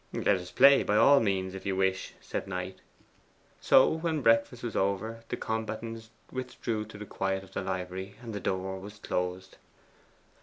'Let us play, by all means, if you wish it,' said Knight. So, when breakfast was over, the combatants withdrew to the quiet of the library, and the door was closed.